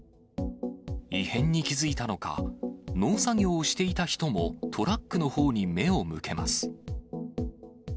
異変に気付いたのか、農作業をしていた人もトラックのほうに目を向けます。